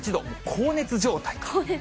高熱状態。